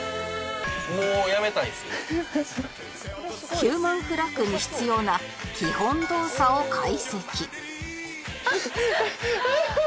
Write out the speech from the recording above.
ヒューマンフラッグに必要な基本動作を解析はあああー！